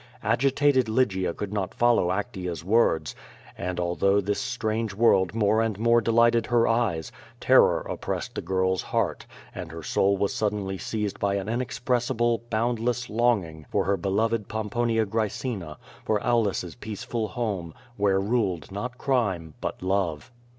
Agitated Lygia could not follow Actea's words, and although this strange world more and more de lighted her eyes, terror oppressed the girl's heart, and her soul was suddenly seized by an inexpressible, boundless long ing for her beloved Pomponia Graecina, for Aulus's peaceful home, where ruled not crime but love.